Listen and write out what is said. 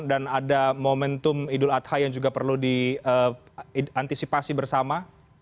dan ada momentum idul adha yang juga perlu diantisipasi bersama